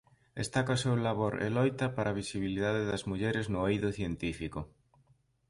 Destaca o seu labor e loita para a visibilidade das mulleres no eido científico.